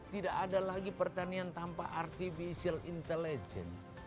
tidak ada lagi pertanian tanpa artificial intelligence